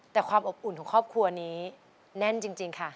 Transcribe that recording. แต่ความอบอุ่นของครอบครัวนี้แน่นจริงค่ะ